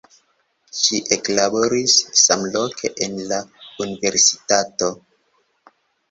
Ŝi eklaboris samloke en la universitato.